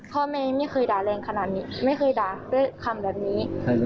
ไม่เคยด่าแรงขนาดนี้ไม่เคยด่าด้วยคำแบบนี้